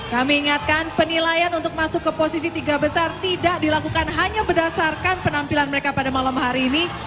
kami ingatkan penilaian untuk masuk ke posisi tiga besar tidak dilakukan hanya berdasarkan penampilan mereka pada malam hari ini